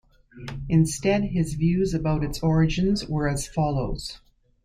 Instead his views about its origins were as follows.